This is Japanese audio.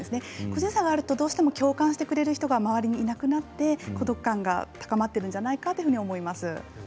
個人差があると共感してくれる人が周りにいなくなって孤独感が高まっているんじゃないかなと思っています。